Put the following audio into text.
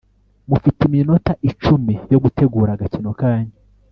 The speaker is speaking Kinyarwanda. mufite iminota icumi yo gutegura agakino kanyu